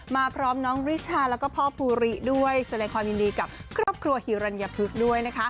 พร้อมน้องริชาแล้วก็พ่อภูริด้วยแสดงความยินดีกับครอบครัวฮิรัญพฤกษ์ด้วยนะคะ